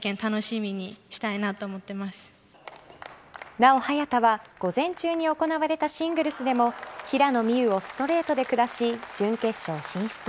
なお早田は午前中に行われたシングルスでも平野美宇をストレートで下し準決勝進出。